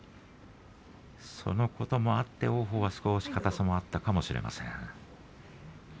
そのこともあって王鵬は少し硬さもあったかもしれません。